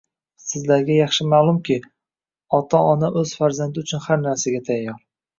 Sizlarga yaxshi ma’lumki, ota-ona o‘z farzandi uchun har narsaga tayyor